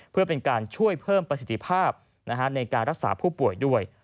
เพื่อเป็นการช่วยเพิ่มประสิทธิภาพในการรักษาผู้ป่วยด้วย